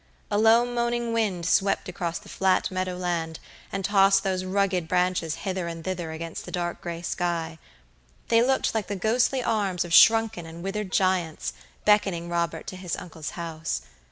A low moaning wind swept across the flat meadow land, and tossed those rugged branches hither and thither against the dark gray sky. They looked like the ghostly arms of shrunken and withered giants, beckoning Robert to his uncle's house.